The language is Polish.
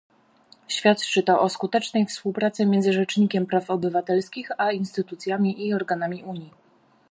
Świadczy to o skutecznej współpracy między Rzecznikiem Praw Obywatelskich a instytucjami i organami Unii